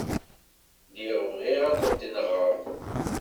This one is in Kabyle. Lliɣ bɣiɣ ad kent-nɣeɣ.